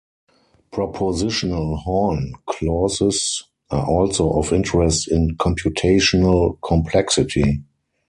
Propositional Horn clauses are also of interest in computational complexity.